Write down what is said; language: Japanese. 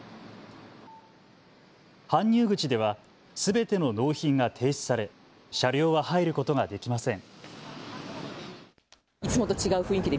搬入口ではすべての納品が停止され車両は入ることができません。